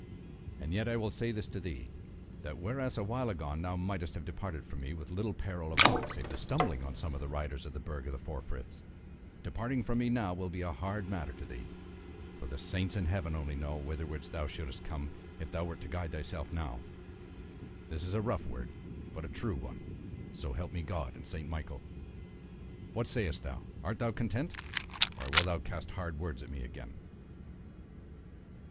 And yet I will say this to thee, that whereas awhile agone thou mightest have departed from me with little peril of aught save the stumbling on some of the riders of the Burg of the Four Friths, departing from me now will be a hard matter to thee; for the saints in Heaven only know whitherward thou shouldest come, if thou wert to guide thyself now. This a rough word, but a true one, so help me God and Saint Michael! What sayest thou; art thou content, or wilt thou cast hard words at me again?"